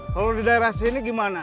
kalau di daerah sini gimana